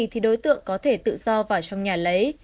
thì đối tượng có thể tự do vào trong nhà lấy